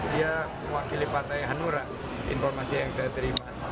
dia mewakili partai hanura informasi yang saya terima